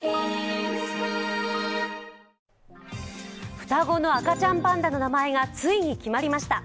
双子の赤ちゃんパンダの名前がついに決まりました。